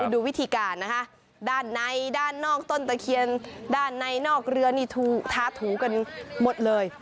ดูวิธีการนะคะด้านในด้านนอกต้นตะเคียนด้านในนอกเรือนี่ถูกท้าถูกันหมดเลย